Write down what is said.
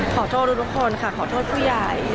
ขอโทษทุกคนค่ะขอโทษผู้ใหญ่